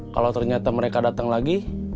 kalau ternyata mereka datang lagi